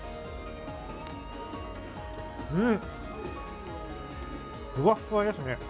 うん、ふわふわですね。